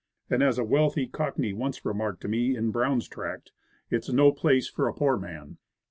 And, as a wealthy cockney once remarked to me in Brown's Tract, "It's no place for a poor man."